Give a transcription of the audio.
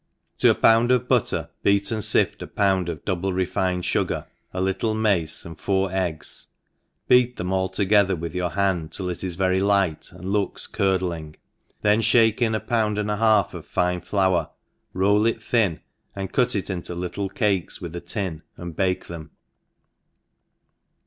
TO a pound of butter, beat and fift a pound of double refined fugar, a little mace^ and four cggs^ r \>*^ ENGLISH HOUSE KEEPER, *7».V) eggs, beat them all together with your hand till it is very light and looks curdling, then {hake in a pound and a half of fine flour,* roll it thin and cut it into little cakes with a tiny and bake them.